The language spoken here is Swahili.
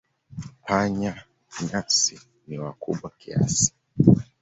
Panya-nyasi ni wakubwa kiasi.